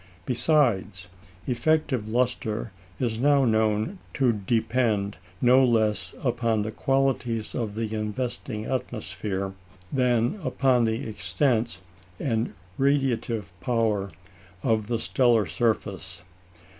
Besides, effective lustre is now known to depend no less upon the qualities of the investing atmosphere than upon the extent and radiative power of the stellar surface.